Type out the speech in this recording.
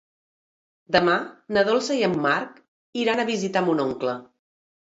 Demà na Dolça i en Marc iran a visitar mon oncle.